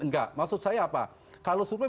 enggak maksud saya apa kalau survei